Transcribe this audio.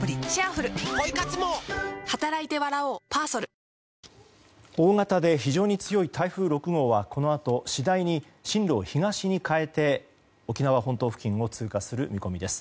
脂肪に選べる「コッコアポ」大型で非常に強い台風６号はこのあと次第に進路を東に変えて沖縄本島付近を通過する見込みです。